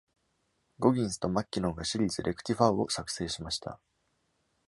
ゴギンスとマッキノンがシリーズ「レクティファウ」を作成しました。